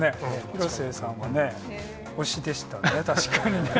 広末さんはね、推しでしたね、確かにね。